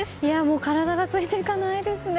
体がついていかないですね。